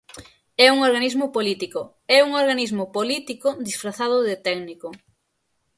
¡É un organismo político, é un organismo político disfrazado de técnico!